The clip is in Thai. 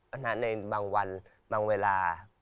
อันนั้นในบางวันบางเวลา